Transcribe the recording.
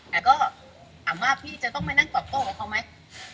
แต่ก็ถามว่าพี่จะต้องไปนั่งต่อโต้ครับเขาไหมไม่เสียเวลา